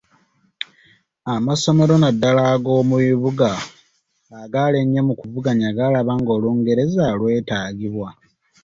Amasomero naddala ag’omu bibuga agali ennyo mu kuvuganya galaba nga Olungereza lwetaagibwa.